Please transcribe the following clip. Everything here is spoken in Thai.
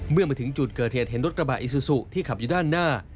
เมื่อมาถึงจุดเกิดเหตุเห็นรถกระบะอิซูซูที่ขับอยู่ด้านหน้า